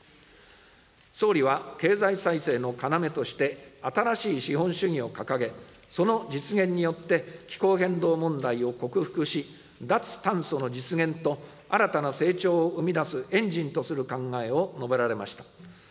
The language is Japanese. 総理は経済再生の要として、新しい資本主義を掲げ、その実現によって、気候変動問題を克服し、脱炭素の実現と、新たな成長を生み出すエンジンとする考えを述べられました。